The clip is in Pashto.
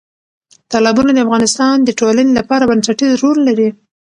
تالابونه د افغانستان د ټولنې لپاره بنسټيز رول لري.